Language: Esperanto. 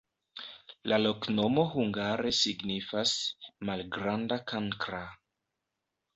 La loknomo hungare signifas: malgranda-kankra.